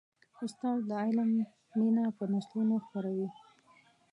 استاد د علم مینه په نسلونو خپروي.